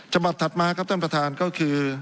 ถัดมาครับท่านประธานก็คือ